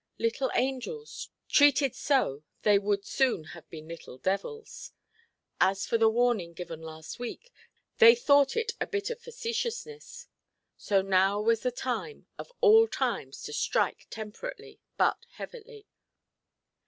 Little angels: treated so, they would soon have been little devils. As for the warning given last week, they thought it a bit of facetiousness: so now was the time, of all times, to strike temperately, but heavily.